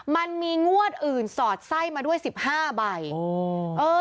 มันมีงวดอื่นสอดไส้มาด้วย๑๕ใบ